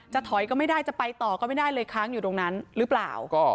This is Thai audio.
ถอยก็ไม่ได้จะไปต่อก็ไม่ได้เลยค้างอยู่ตรงนั้นหรือเปล่า